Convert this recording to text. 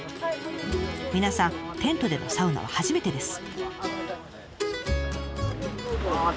皆さんテントでのサウナは初めてです。